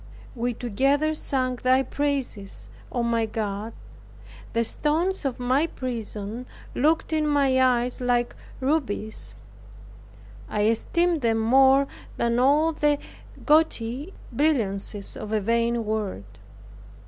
We together sang thy praises, O, my God! The stones of my prison looked in my eyes like rubies; I esteemed them more than all the gaudy brilliancies of a vain world.